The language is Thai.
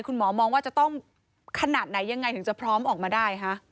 คุณหมอมองว่าจะต้องขนาดไหนยังไงถึงจะพร้อมออกมาได้คะ